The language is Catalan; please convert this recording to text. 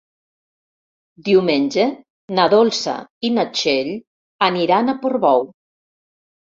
Diumenge na Dolça i na Txell aniran a Portbou.